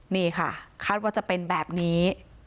นี่ค่ะคาดว่าจะเป็นแบบนี้